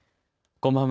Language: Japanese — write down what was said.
こんばんは。